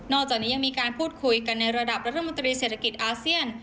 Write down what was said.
จากนี้ยังมีการพูดคุยกันในระดับรัฐมนตรีเศรษฐกิจอาเซียน